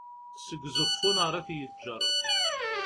seg uẓeffun ar at yeğğer